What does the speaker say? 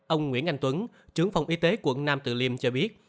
ông nguyễn anh tuấn trưởng phòng y tế quận nam từ liêm cho biết